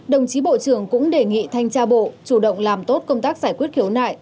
đồng chí bộ trưởng cũng đề nghị thanh tra bộ chủ động làm tốt công tác giải quyết khiếu nại